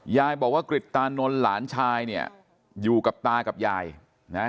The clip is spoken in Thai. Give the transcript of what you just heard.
ยายบอกว่ากริตานนท์หลานชายเนี่ยอยู่กับตากับยายนะฮะ